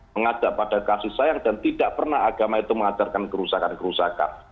mengajak pada kasih sayang dan tidak pernah agama itu mengajarkan kerusakan kerusakan